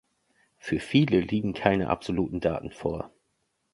Für viele liegen keine absoluten Daten vor.